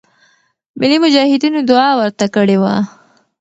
ملی مجاهدینو دعا ورته کړې وه.